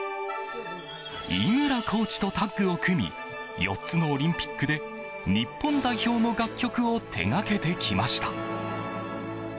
井村コーチとタッグを組み４つのオリンピックで日本代表の楽曲を手掛けてきました。